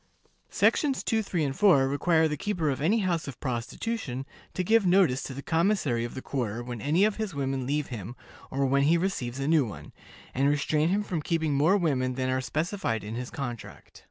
Sections 2, 3, and 4 require the keeper of any house of prostitution to give notice to the commissary of the quarter when any of his women leave him, or when he receives a new one, and restrain him from keeping more women than are specified in his contract.